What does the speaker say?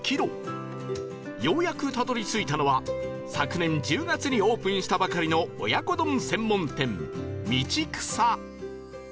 ようやくたどり着いたのは昨年１０月にオープンしたばかりの親子丼専門店みち草